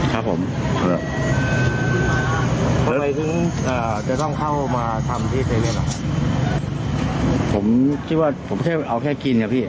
ครับผมจะต้องเข้ามาทำที่ผมคิดว่าผมไม่ใช่เอาแค่กินครับพี่